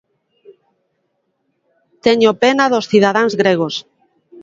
Teño pena dos cidadáns gregos.